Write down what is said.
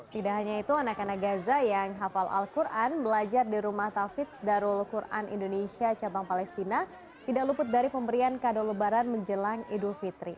tidak hanya itu anak anak gaza yang hafal al quran belajar di rumah tafiz darul quran indonesia cabang palestina tidak luput dari pemberian kado lebaran menjelang idul fitri